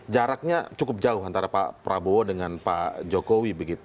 jaraknya cukup jauh antara pak prabowo dengan pak jokowi